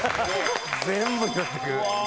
全部拾ってくれる。